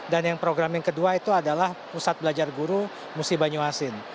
dan yang program yang kedua itu adalah pusat belajar guru musi banyu asin